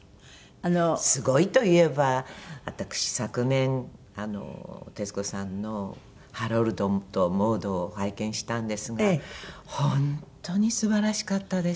すごいといえば私昨年徹子さんの『ハロルドとモード』を拝見したんですが本当に素晴らしかったです。